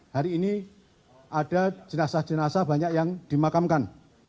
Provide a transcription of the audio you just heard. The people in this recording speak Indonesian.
hari ini ada jenazah jenazah banyak yang dimakamkan